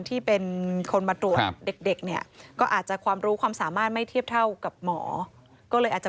ที่เป็นคนมาตรวจเด็กเนี่ยก็อาจจะความรู้ความสามารถไม่เทียบเท่ากับหมอก็เลยอาจจะ